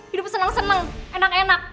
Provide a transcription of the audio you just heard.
hidup seneng seneng enak enak